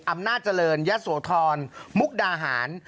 อำนาจเจริญยะโสธรมุกดาหาร